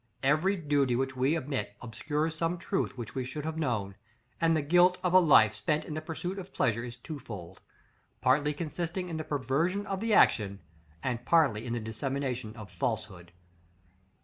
Every duty which we omit obscures some truth which we should have known; and the guilt of a life spent in the pursuit of pleasure is twofold, partly consisting in the perversion of action, and partly in the dissemination of falsehood.